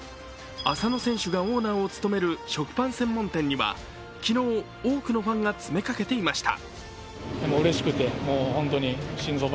浅野選手がオーナーを務める食パン専門店には、昨日多くのファンが詰めかけていました。